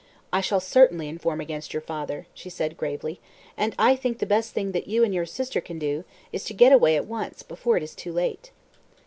"I shall certainly inform against your father," she said gravely. "And I think the best thing that you and your sister can do, is to get away at once, before it is too late."